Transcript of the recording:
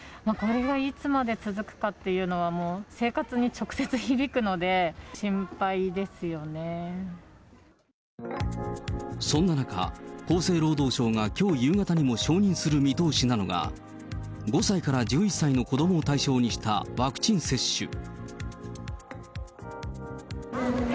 これがいつまで続くかっていうのは、もう生活に直接響くので、心そんな中、厚生労働省がきょう夕方にも承認する見通しなのが、５歳から１１歳の子どもを対象にしたワクチン接種。